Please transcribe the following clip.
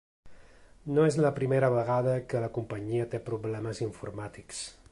No és la primera vegada que la companyia té problemes informàtics.